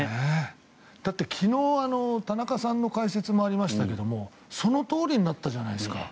だって、昨日田中さんの解説もありましたけどそのとおりになったじゃないですか。